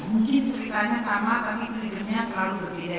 mungkin ceritanya sama tapi triggernya selalu berbeda